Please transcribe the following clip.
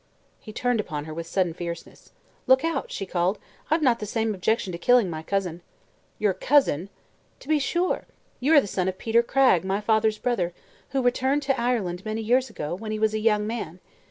He turned upon her with sudden fierceness. "Look out!" she called. "I've not the same objection to killing my cousin." "Your cousin!" "To be sure. You are the son of Peter Cragg, my father's brother, who returned to Ireland many years ago, when he was a young man.